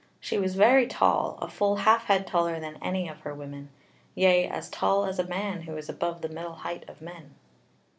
She was very tall, a full half head taller than any of her women: yea, as tall as a man who is above the middle height of men.